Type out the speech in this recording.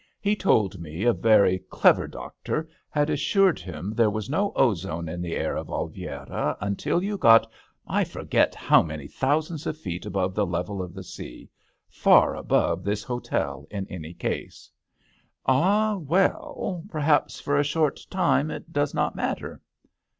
He told me a very clever doctor had assured him there was no ozone in the air of Oliviera until you got I forget how many thousands of feet above the level of the sea — far above this hotel in any case." THE h6tEL D'ANGLETERRE. 4$ " Ah, well, perhaps for a short time it does not matter."